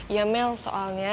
iya mel soalnya